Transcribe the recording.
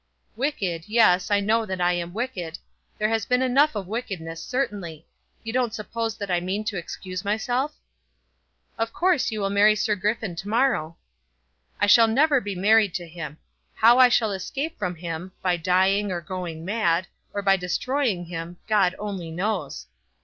"Wicked; yes, I know that I am wicked. There has been enough of wickedness certainly. You don't suppose that I mean to excuse myself?" "Of course you will marry Sir Griffin to morrow." "I shall never be married to him. How I shall escape from him, by dying, or going mad, or by destroying him, God only knows."